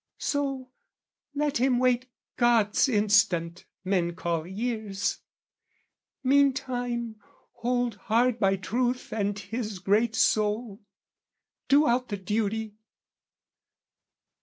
So, let him wait God's instant men call years; Meantime hold hard by truth and his great soul, Do out the duty!